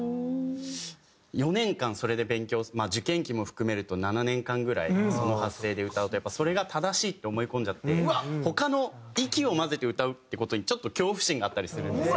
４年間それで勉強受験期も含めると７年間ぐらいその発声で歌うとやっぱそれが正しいって思い込んじゃって他の息を混ぜて歌うって事にちょっと恐怖心があったりするんですよ。